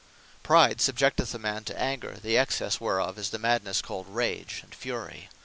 Rage Pride, subjecteth a man to Anger, the excesse whereof, is the Madnesse called RAGE, and FURY.